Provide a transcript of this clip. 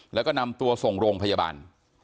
แล้วก็นำตัวส่งโรงพยาบาล